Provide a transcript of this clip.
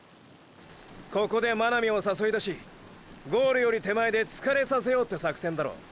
ここで真波を誘い出しゴールより手前で疲れさせようって作戦だろ？